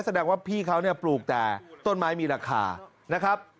แสดงว่าพี่เขาเนี่ยปลูกแต่ต้นไม้มีราคานะครับ